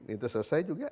itu selesai juga